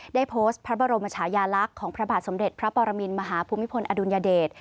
ได้โพสต์พระบรมชายาลักษณ์ของพระบาทสมเด็จพระปรมินมหาภูมิพลอดุลยเดช